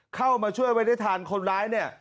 เข้ามาช่วยไว้ได้ทันคนร้ายเนี่ย